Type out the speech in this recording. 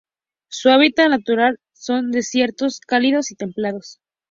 Su hábitat natural son: desiertos cálidos y templados.